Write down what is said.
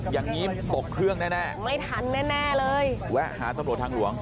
อย่างนี้ตกเครื่องแน่แน่ไม่ทันแน่แน่เลยแวะหาตำรวจทางหลวง